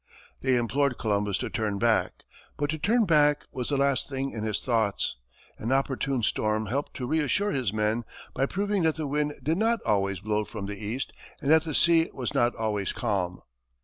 They implored Columbus to turn back; but to turn back was the last thing in his thoughts. An opportune storm helped to reassure his men by proving that the wind did not always blow from the east and that the sea was not always calm.